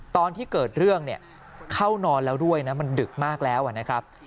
ตอนที่เกิดเรื่องเนี่ยเข้านอนแล้วด้วยนะมันดึกมากแล้วนะครับ